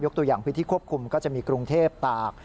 ตัวอย่างพื้นที่ควบคุมก็จะมีกรุงเทพตาก